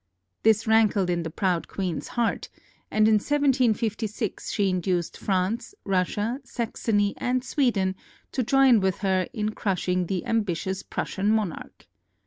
This rankled in the proud queen's heart, and in 1756 she induced France, Russia, Saxony, and Sweden to join with her in crushing the ambitious Prussian monarch.